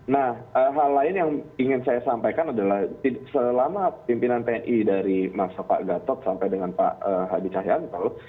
nah hal lain yang ingin saya sampaikan adalah selama pimpinan tni dari mas pak gatot sampai dengan pak hadi cahyanto